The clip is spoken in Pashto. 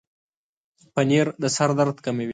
پنېر د سر درد کموي.